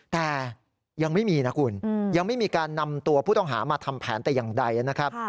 แต่ยังไม่มีนะคุณยังไม่มีการนำตัวผู้ต้องหามาทำแผนแต่อย่างใดนะครับ